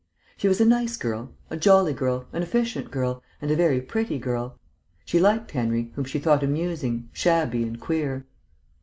She was a nice girl, a jolly girl, an efficient girl, and a very pretty girl. She liked Henry, whom she thought amusing, shabby, and queer.